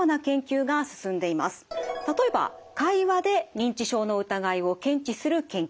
例えば会話で認知症の疑いを検知する研究。